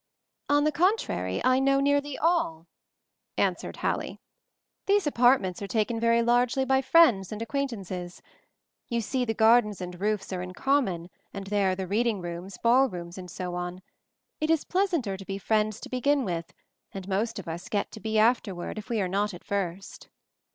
"On the contrary, I know nearly all," answered Hallie. "These apartments are taken very largely by friends and acquaint ances. You see, the gardens and roofs are in common, and there are the reading rooms, ballrooms, and so on. It is pleasanter to be MOVING THE MOUNTAIN 97 friends to begin with, and most of us get to be afterward, if we are not at first.